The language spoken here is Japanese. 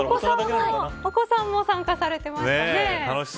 お子さんも参加されていましたね。